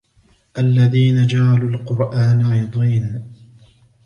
الَّذِينَ جَعَلُوا الْقُرْآنَ عِضِينَ